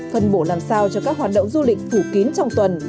phân bổ làm sao cho các hoạt động du lịch phủ kín trong tuần